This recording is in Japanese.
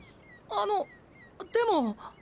あのでも。